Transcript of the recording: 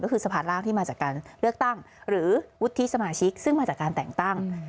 ก็คือสะพานร่างที่มาจากการเลือกตั้งหรือวุฒิสมาชิกซึ่งมาจากการแต่งตั้ง